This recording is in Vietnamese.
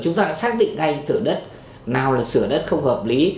chúng ta đã xác định ngay thửa đất nào là sửa đất không hợp lý